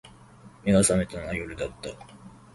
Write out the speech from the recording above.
眼が覚めたのは夜だった